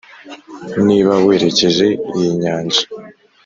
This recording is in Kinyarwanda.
niba werekeje iy’inyanja